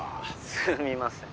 すみません。